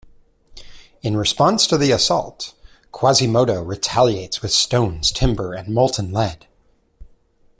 In response to the assault, Quasimodo retaliates with stones, timber, and molten lead.